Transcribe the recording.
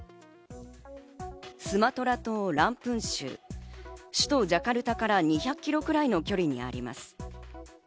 スマトラ島ランプン州、首都ジャカルタから２００キロくらいの距離にあります。